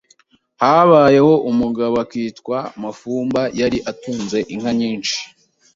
Habayeho umugabo akitwa Mafumba yari atunze inka nyinshi